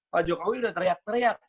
pak jokowi udah teriak teriak